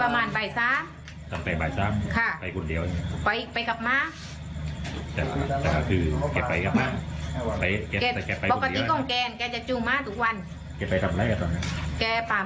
เมื่อคืนนี้ก็ต้องยุติการค้นหาชั่วคราวไปก่อนนะครับ